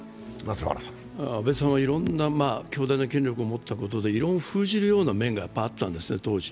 安倍さんはいろんな巨大な権力を持ったことで異論を封じるような面もあったんです、当時。